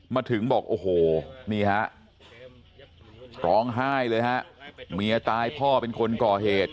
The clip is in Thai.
มาถึงบอกโอ้โหนี่ฮะร้องไห้เลยฮะเมียตายพ่อเป็นคนก่อเหตุ